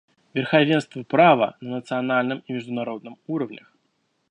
Верховенство права на национальном и международном уровнях.